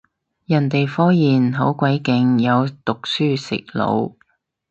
人哋科研好鬼勁，有讀書食腦